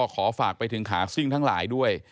ขอฝากไปถึงขาซิ่งทั้งหลายด้วย